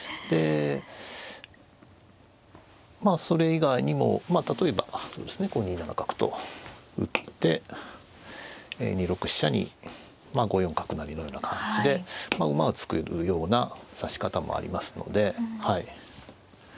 それ以外にも例えば２七角と打って２六飛車に５四角成のような感じで馬を作るような指し方もありますので。